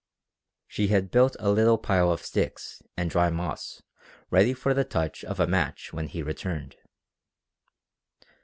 She had built a little pile of sticks and dry moss ready for the touch of a match when he returned.